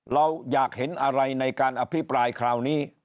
เราอยากเห็นอะไรในการอภิปรายคราวนี้